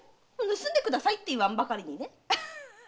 「盗んでください」っていわんばかりにね。